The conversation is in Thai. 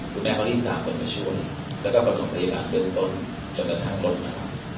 คุณแม่เรียกตามคนมาช่วย้แล้วก็ประคับพยายามเติมตนจนกระทั้งความโทรมา